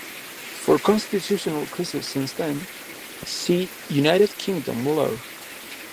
For constitutional crises since then, see United Kingdom below.